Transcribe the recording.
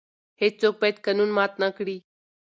هیڅوک باید قانون مات نه کړي.